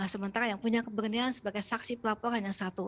sementara yang punya keberanian sebagai saksi pelapor hanya satu